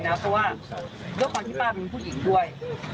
เพราะว่าด้วยความที่ป้าเป็นผู้หญิงด้วย